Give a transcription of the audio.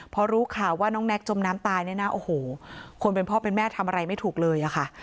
พอรู้ข่าวว่าน้องแน็กจมน้ำตายเนี่ยนะโอ้โหคนเป็นพ่อเป็นแม่ทำอะไรไม่ถูกเลยอะค่ะ